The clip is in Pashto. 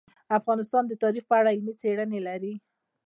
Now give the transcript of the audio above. افغانستان د تاریخ په اړه علمي څېړنې لري.